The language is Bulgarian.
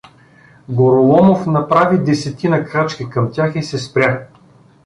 Гороломов направи десетина крачки към тях и се спря.